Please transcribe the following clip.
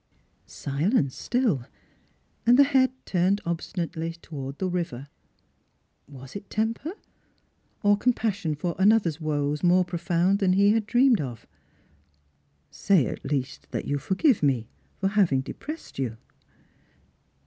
Silence still, and the head turned obstinately towards tho river. Was it temper ? or compassion for another's woes more profound than he had dreamed of ?" Say, at least, that you forgive me for having depressed you."